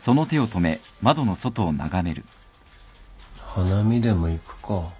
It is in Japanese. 花見でも行くか。